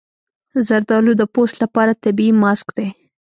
زردالو د پوست لپاره طبیعي ماسک دی.